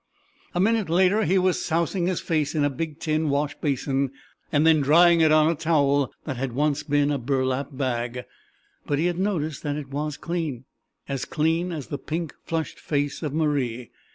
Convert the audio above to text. A minute later he was sousing his face in a big tin wash basin, and then drying it on a towel that had once been a burlap bag. But he had noticed that it was clean as clean as the pink flushed face of Marie.